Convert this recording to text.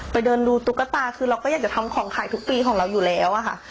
เดินดูตุ๊กตาคือเราก็อยากจะทำของขายทุกปีของเราอยู่แล้วอะค่ะ